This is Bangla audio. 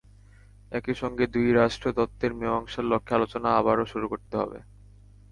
একই সঙ্গে দুই রাষ্ট্র তত্ত্বের মীমাংসার লক্ষ্যে আলোচনা আবারও শুরু করতে হবে।